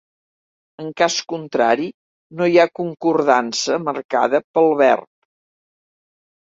En cas contrari, no hi ha concordança marcada pel verb.